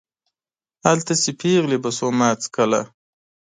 هلته چې پېغلې به سوما څکله